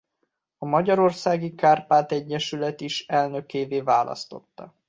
A Magyarországi Kárpát-egyesület is elnökévé választotta.